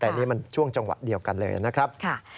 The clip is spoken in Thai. แต่นี่มันช่วงจังหวะเดียวกันเลยนะครับ